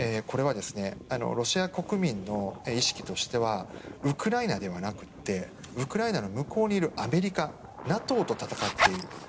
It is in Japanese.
これはロシア国民の意識としてはウクライナではなくてウクライナの向こうにいるアメリカＮＡＴＯと戦っている。